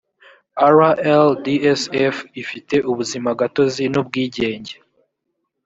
rldsf ifite ubuzimagatozi n’ubwigenge